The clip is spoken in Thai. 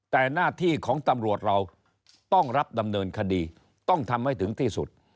แต่หน้าที่ของตำรวจเราต้องรับดำเนินคดีต้องทำให้ถึงที่สุด